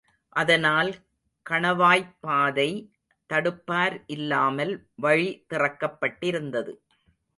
அதனால் கணவாய்ப்பாதை தடுப்பார் இல்லாமல் வழி திறக்கப் பட்டிருந்தது.